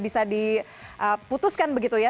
bisa diputuskan begitu ya